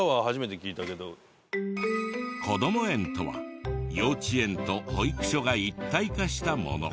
こども園とは幼稚園と保育所が一体化したもの。